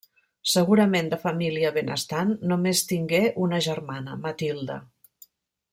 Segurament de família benestant, només tingué una germana, Matilde.